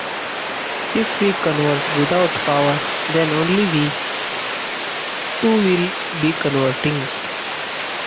If we convert without power then only we too will be converting.